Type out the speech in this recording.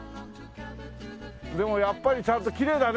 でもやっぱりちゃんときれいだね